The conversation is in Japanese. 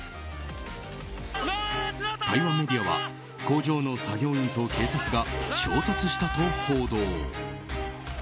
台湾メディアは工場の作業員と警察が衝突したと報道。